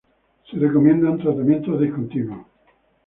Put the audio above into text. Se recomiendan tratamientos discontinuos.